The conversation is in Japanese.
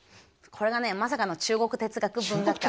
これがねまさかの中国哲学文学科。